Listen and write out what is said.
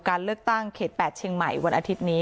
การสืบทอดอำนาจของขอสอชอและยังพร้อมจะเป็นนายกรัฐมนตรี